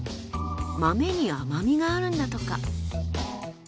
豆に甘みがあるんだとか。